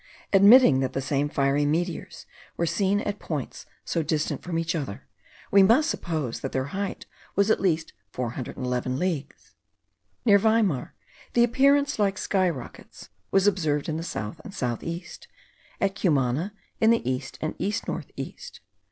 Admitting that the same fiery meteors were seen at points so distant from each other, we must suppose that their height was at least 411 leagues. Near Weimar, the appearance like sky rockets was observed in the south and south east; at Cumana, in the east and east north east.